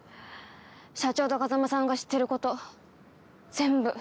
社長と風真さんが知ってること全部。